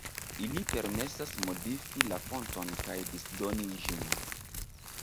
Ili permesas modifi la fonton kaj disdoni ĝin.